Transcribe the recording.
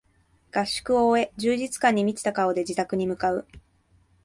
合宿を終え充実感に満ちた顔で自宅に向かう